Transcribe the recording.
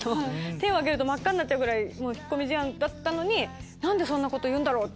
手を挙げると真っ赤になるぐらい引っ込み思案だったのに何でそんなこと言うんだろう？って。